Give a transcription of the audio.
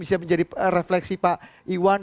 bisa menjadi refleksi pak iwan